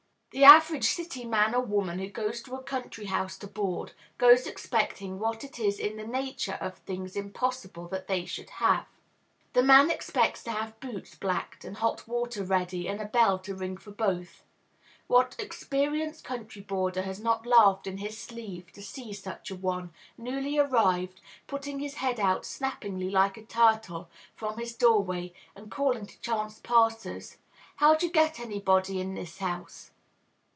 The average city man or woman who goes to a country house to board, goes expecting what it is in the nature of things impossible that they should have. The man expects to have boots blacked and hot water ready, and a bell to ring for both. What experienced country boarder has not laughed in his sleeve to see such an one, newly arrived, putting his head out snappingly, like a turtle, from his doorway, and calling to chance passers, "How d'ye get at anybody in this house?"